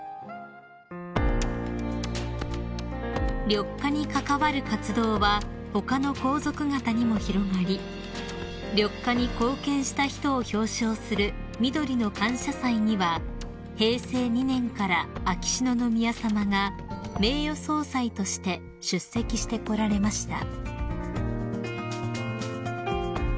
［緑化に関わる活動は他の皇族方にも広がり緑化に貢献した人を表彰するみどりの感謝祭には平成２年から秋篠宮さまが名誉総裁として出席してこられました］